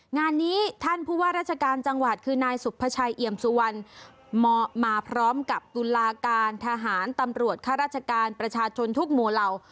งานนี้ท่านผู้ว่าราชการจังหวัดคือนายสุภาชัยเอี่ยมสุวรรณมาพร้อมกับตุลาการทหารตำรวจข้าราชการประชาชนทุกหมู่เหล่า